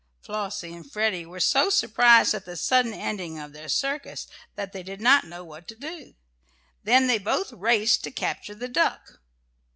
Flossie and Freddie were so surprised at the sudden ending of their circus that they did not know what to do. Then they both raced to capture the duck.